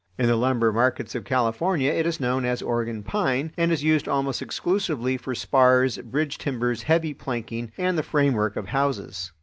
In the lumber markets of California it is known as "Oregon pine" and is used almost exclusively for spars, bridge timbers, heavy planking, and the framework of houses.